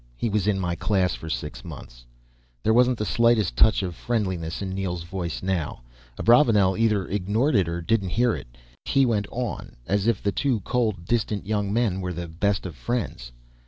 He was in my class for six months." There wasn't the slightest touch of friendliness in Neel's voice now. Abravanel either ignored it or didn't hear it. He went on as if the two cold, distant young men were the best of friends.